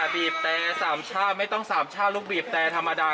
บีบแต่สามช่าไม่ต้องสามช่าลูกบีบแต่ธรรมดา